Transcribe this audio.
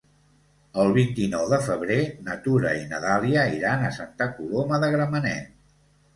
El vint-i-nou de febrer na Tura i na Dàlia iran a Santa Coloma de Gramenet.